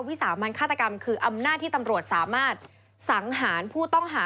วิสามันฆาตกรรมคืออำนาจที่ตำรวจสามารถสังหารผู้ต้องหา